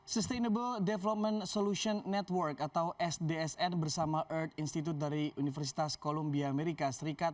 sustainable development solution network atau sdsn bersama earth institute dari universitas columbia amerika serikat